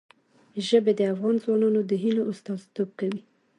ژبې د افغان ځوانانو د هیلو استازیتوب کوي.